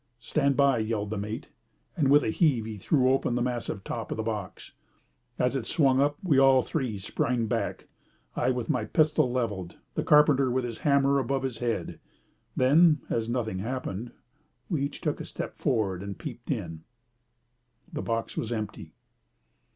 "Stand by!" yelled the mate, and with a heave he threw open the massive top of the box. As it swung up we all three sprang back, I with my pistol levelled, and the carpenter with the hammer above his head. Then, as nothing happened, we each took a step forward and peeped in. The box was empty.